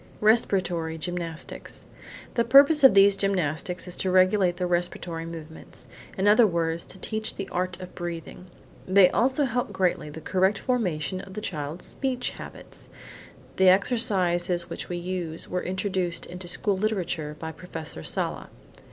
RESPIRATORY GYMNASTICS The purpose of these gymnastics is to regulate the respiratory movements: in other words, to teach the art of breathing. They also help greatly the correct formation of the child's speech habits. The exercises which we use were introduced into school literature by Professor Sala.